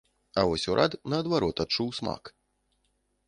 А вось урад, наадварот, адчуў смак.